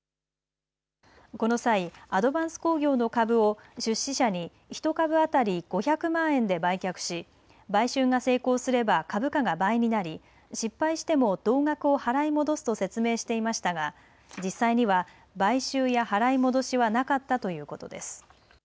この際、アドヴァンス工業の株を出資者に１株当たり５００万円で売却し買収が成功すれば株価が倍になり失敗しても同額を払い戻すと説明していましたが実際には買収や払い戻しはなかったということです。